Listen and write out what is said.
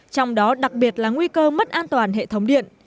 trong đó đặc biệt là nguy cơ mất an toàn hệ thống điện